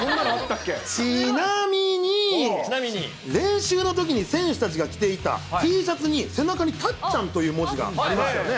ちなみに、練習のときに選手たちが着ていたＴシャツに、背中にたっちゃんという文字がありましたよね。